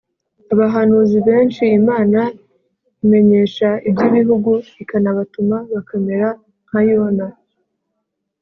Abahanuzi benshi Imana imenyesha iby’ibihugu ikanabatuma bakamera nka Yona